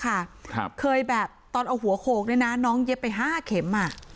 ครับเคยแบบตอนเอาหัวโขกเนี่ยนะน้องเย็บไปห้าเข็มอ่ะ